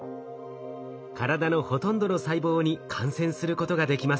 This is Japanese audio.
体のほとんどの細胞に感染することができます。